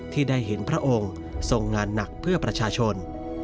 ที่ได้เห็นพระองค์ทรงงานหนักเพื่อประชาชน